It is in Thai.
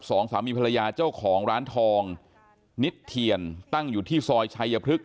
สองสามีภรรยาเจ้าของร้านทองนิดเทียนตั้งอยู่ที่ซอยชัยพฤกษ